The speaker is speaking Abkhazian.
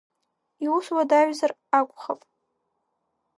Иус уадаҩзар акәхап.